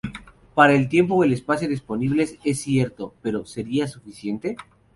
Para el tiempo o el espacio disponibles, es cierto, pero ¿Sería suficiente?